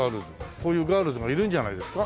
こういうガールズがいるんじゃないですか？